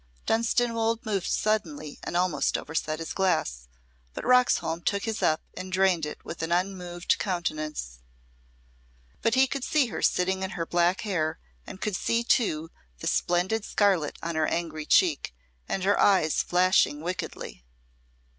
Dunstanwolde moved suddenly and almost overset his glass, but Roxholm took his up and drained it with an unmoved countenance. But he could see her sitting in her black hair, and could see, too, the splendid scarlet on her angry cheek, and her eyes flashing wickedly.